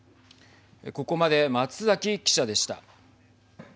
ここまで松崎記者でした。